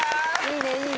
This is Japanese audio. いいね！